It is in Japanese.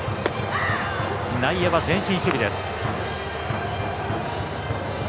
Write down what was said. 内野は前進守備です。